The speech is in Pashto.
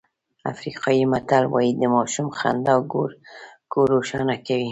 افریقایي متل وایي د ماشوم خندا کور روښانه کوي.